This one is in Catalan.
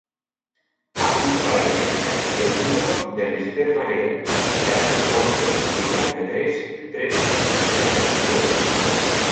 Apunta a l'agenda el número de l'Esther Varea: set, onze, vuitanta-tres, tretze, zero, dos.